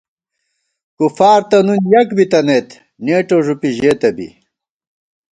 کُفار تہ نُن یَک بِتَنَئیت، نېٹو ݫُپی ژېتہ بی